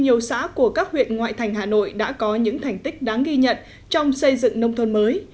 nhiều xã của các huyện ngoại thành hà nội đã có những thành tích đáng ghi nhận trong xây dựng nông thôn mới